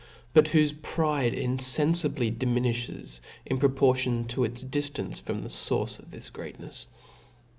t)ut whofe pride infenlibly diminishes in proportion 10 its diftance from the foyrce of thi$ gre^tnei^.